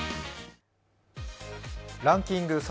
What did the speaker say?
ランキング